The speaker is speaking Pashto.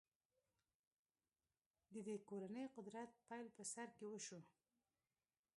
د دې کورنۍ قدرت پیل په سر کې وشو.